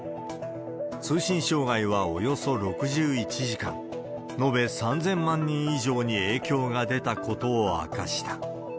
通信障害はおよそ６１時間、延べ３０００万人以上に影響が出たことを明かした。